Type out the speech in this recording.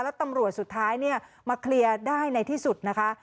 แล้วตำรวจสุดท้ายเนี่ยมาเคลียร์ได้ในที่สุดนะคะ